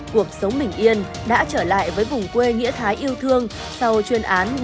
cuộc sống bình yên đã trở lại với vùng quê nghĩa thái yêu thương sau chuyên án bảy trăm một mươi bốn t